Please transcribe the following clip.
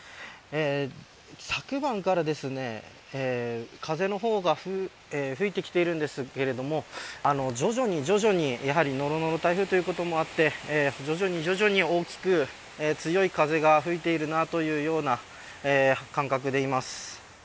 昨晩から、風の方が吹いてきているんですけれども徐々にのろのろ台風ということもあって徐々に大きく強い風が吹いているなという感覚でいます。